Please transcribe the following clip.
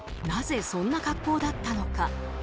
なぜそんな格好だったのか。